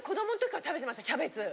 キャベツ。